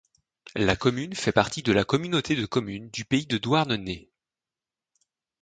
La commune fait partie de la Communauté de communes du Pays de Douarnenez.